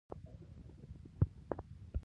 پکورې د ناوې لپاره هم پخېږي